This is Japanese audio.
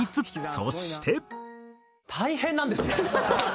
そして。